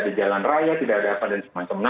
ada jalan raya tidak ada apa apa dan semacamnya